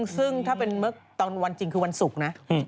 ซึ่งถ้าเป็นเมื่อตอนวันจริงคือวันศุกร์นะ